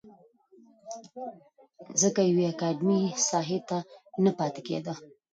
ځکه يوې اکادميکې ساحې ته نه پاتې کېده.